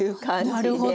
なるほど。